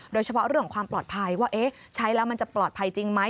โดยเฉพาะเรื่องของความปลอดภัยว่าเอ๊ะใช้แล้วมันจะปลอดภัยจริงไหม